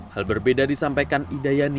hal berbeda disampaikan idayani